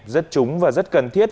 rất trúng và rất cần thiết